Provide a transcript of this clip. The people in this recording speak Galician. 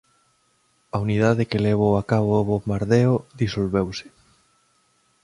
A unidade que levou a cabo o bombardeo disolveuse.